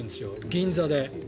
銀座で。